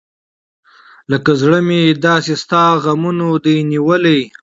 لکه زړه مې داسې ستا غمونه دى نیولي .